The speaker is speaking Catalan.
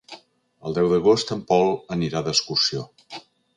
El deu d'agost en Pol anirà d'excursió.